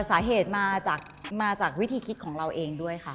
สาเหตุมาจากมาจากวิธีคิดของเราเองด้วยค่ะ